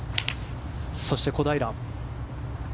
そして小平。